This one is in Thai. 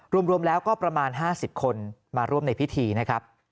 รวมแล้วก็ประมาณ๕๐คนมาร่วมในพิธีนะครับ